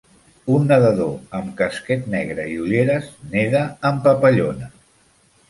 un nedador amb casquet negra i ulleres neda en papallona.